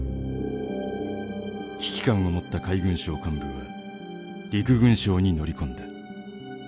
危機感を持った海軍省幹部は陸軍省に乗り込んだ。